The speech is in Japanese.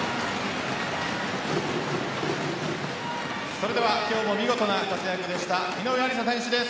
それでは今日も見事な活躍でした井上愛里沙選手です。